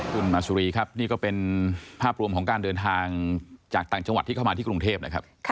คุณมาสุรีครับนี่ก็เป็นภาพรวมของการเดินทางจากต่างจังหวัดที่เข้ามาที่กรุงเทพนะครับ